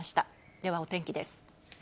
ではお天気です。